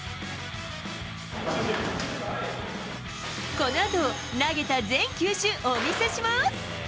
このあと、投げた全球種お見せします。